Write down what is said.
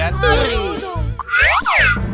nah itu dong